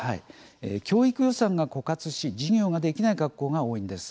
教育予算が枯渇し授業ができない学校が多いんです。